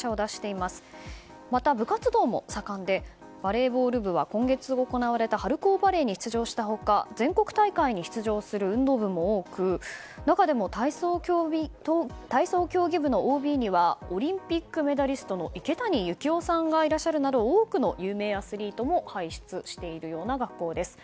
また、部活動も盛んでバレーボール部は今月行われた春高バレーに出場した他全国大会に出場する運動部も多く中でも体操競技部のＯＢにはオリンピックメダリストの池谷幸雄さんがいらっしゃるなど多くの有名アスリートも輩出しているような学校です。